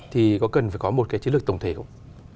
thì có cần phải có một cái chiến lược tổng thể không